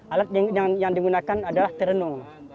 alat yang digunakan adalah terenung